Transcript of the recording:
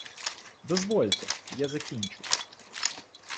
Дозвольте, я закінчу!